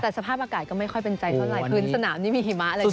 แต่สภาพอากาศก็ไม่ค่อยเป็นใจเท่าไหร่พื้นสนามนี่มีหิมะเลย